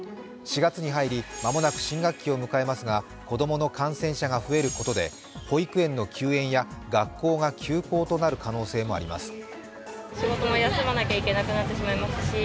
４月に入り、間もなく新学期を迎えますが、子供の感染者が増えることで保育園の休園や学校が休校となる可能性もあります。